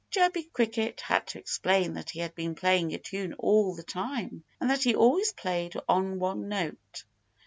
Chirpy Cricket had to explain that he had been playing a tune all the time that he always played on one note.